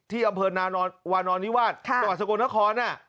ที่อำเภอนาวานอนนิวาสจังหวัดสกลนคร